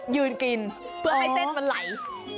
ยืนกินเพื่อให้เส้นมันไหล